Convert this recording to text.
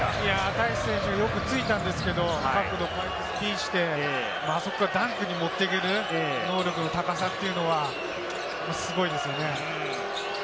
タイス選手、よくついたんですけれども、あそこからダンクに持っていける能力の高さというのは、すごいですよね。